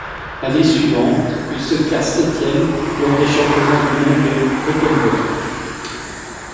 L'année suivante, il se classe septième lors des Championnats du monde de Göteborg.